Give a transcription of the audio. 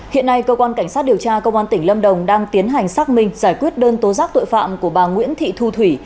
hiện nay cơ quan cảnh sát điều tra công an tỉnh lâm đồng đang tiến hành xác minh giải quyết đơn tố giác tội phạm của bà nguyễn thị thu thủy